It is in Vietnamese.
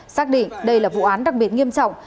xác định đây là vụ án đặc biệt nghiêm trọng